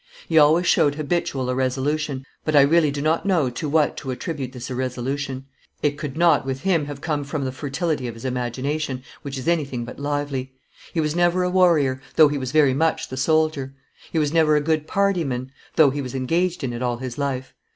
He always showed habitual irresolution, but I really do not know to what to attribute this irresolution; it could not, with him, have come from the fertility of his imagination, which is anything but lively. He was never a warrior, though he was very much the soldier. He was never a good partyman, though he was engaged in it all his life.